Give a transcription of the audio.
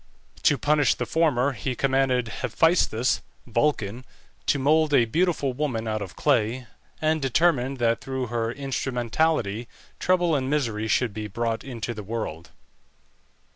To punish the former he commanded Hephæstus (Vulcan) to mould a beautiful woman out of clay, and determined that through her instrumentality trouble and misery should be brought into the world.